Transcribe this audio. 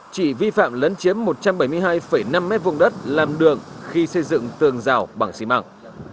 chỉ vi phạm lấn chiếm một trăm bảy mươi hai năm mét vùng đất làm đường khi xây dựng tường rào bằng xi măng